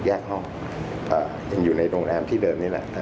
แยกห้องยังอยู่ในโรงแรมที่เดิมนี่แหละ